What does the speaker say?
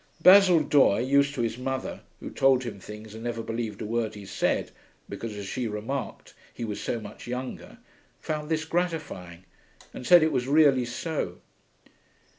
Basil Doye, used to his mother, who told him things and never believed a word he said, because, as she remarked, he was so much younger, found this gratifying, and said it was really so.